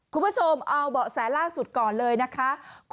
คุณผู้ชมเอาเบาะแสล่าสุดก่อนเลยนะคะ